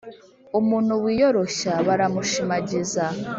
umuntu wiyoroshya baramushimagiza,